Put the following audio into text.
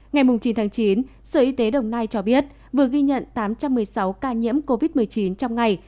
ngày chín tháng chín sở y tế đồng nai cho biết vừa ghi nhận tám trăm một mươi sáu ca nhiễm covid một mươi chín trong ngày